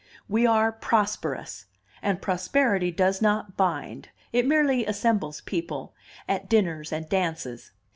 "We are prosperous; and prosperity does not bind, it merely assembles people at dinners and dances.